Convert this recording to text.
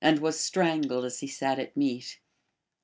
65 was strangled as he sat at meat.